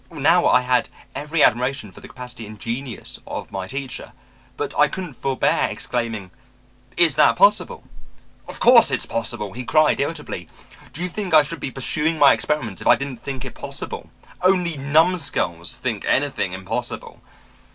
"Now I had every admiration for the capacity and genius of my teacher, but I couldn't forebear exclaiming: "'Is that possible?' "'Of course it's possible,' he cried irritably. 'Do you think I should be pursuing my experiments if I didn't think it possible? Only numbskulls think anything impossible!'